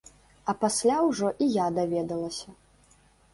А пасля ўжо і я даведалася.